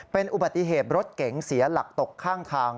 เป็นอุบัติเหตุรถเก๋งเสียหลักตกข้างทาง